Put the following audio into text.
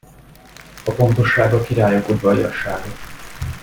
A pontosság a királyok udvariassága.